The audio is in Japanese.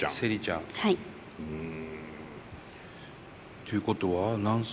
ということは何歳？